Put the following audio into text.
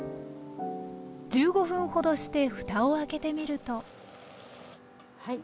１５分ほどしてふたを開けてみるとはい。